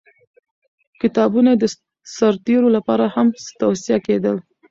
کتابونه یې د سرتېرو لپاره هم توصیه کېدل.